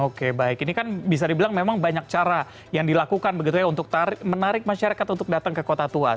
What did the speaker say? oke baik ini kan bisa dibilang memang banyak cara yang dilakukan begitu ya untuk menarik masyarakat untuk datang ke kota tua